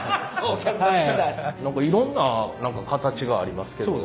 何かいろんな形がありますけど。